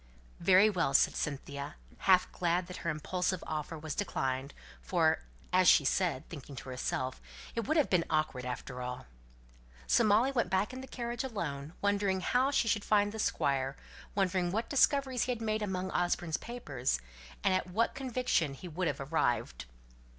"Very well!" said Cynthia, half glad that her impulsive offer was declined; for, as she said, thinking to herself, "It would have been awkward after all." So Molly went back in the carriage alone, wondering how she should find the Squire; wondering what discoveries he had made among Osborne's papers, and at what conviction he would have arrived.